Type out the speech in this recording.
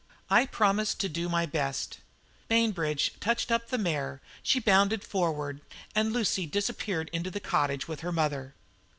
I promised to do my best. Bainbridge touched up the mare, she bounded forward, and Lucy disappeared into the cottage with her mother.